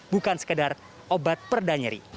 bukan sekadar obat perdanyeri